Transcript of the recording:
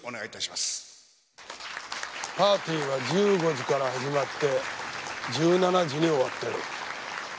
パーティーは１５時から始まって１７時に終わっている。